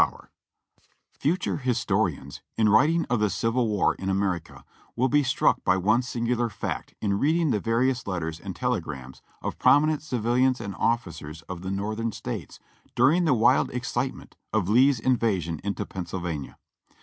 GETTYSBURG 38/ Future historians, in writing of the Civil War in i\merica, will be struck by one singular fact in reading the various letters and telegrams of prominent civilians and officers of the Northern States during the wild excitement of Lee's invasion into Pennsyl vania.